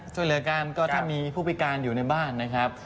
ช่วยเหลือกันก็ถ้ามีผู้พิการอยู่ในบ้านนะครับ